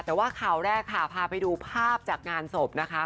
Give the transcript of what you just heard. แต่ว่าข่าวแรกค่ะพาไปดูภาพจากงานศพนะคะ